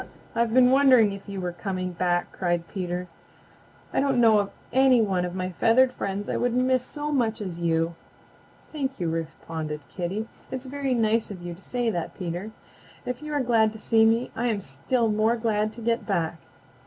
"I've been wondering if you were coming hack," cried Peter. "I don't know of any one of my feathered friends I would miss so much as you." "Thank you," responded Kitty. "It's very nice of you to say that, Peter. If you are glad to see me I am still more glad to get back."